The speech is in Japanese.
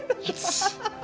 ハハハハ！